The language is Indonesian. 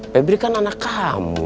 pebri kan anak kamu